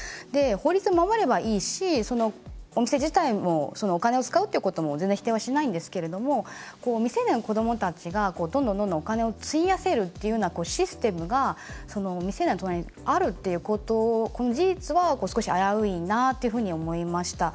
法律を守ればいいし、お店自体もお金を使うっていうことも全然否定はしないんですけれども未成年の子どもたちが、どんどんお金を費やせるっていうようなシステムが店にあるっていうことこの事実が少し危ういなっていうふうに思いました。